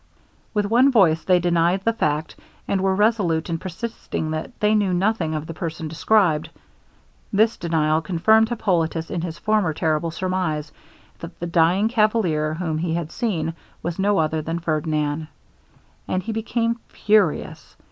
With one voice they denied the fact, and were resolute in persisting that they knew nothing of the person described. This denial confirmed Hippolitus in his former terrible surmise; that the dying cavalier, whom he had seen, was no other than Ferdinand, and he became furious.